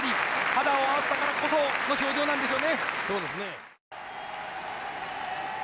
肌を合わせたからこそこの表情なんでしょうね。